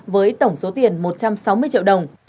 với tổng số tiền một trăm sáu mươi triệu đồng